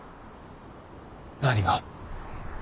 何が？